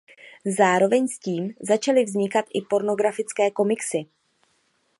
Zároveň s tím začaly vznikat i pornografické komiksy.